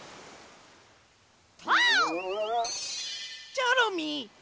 チョロミー。